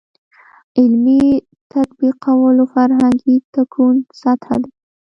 عملي تطبیقولو فرهنګي تکون سطح دی.